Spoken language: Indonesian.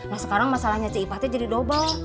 nah sekarang masalahnya cik ipa jadi double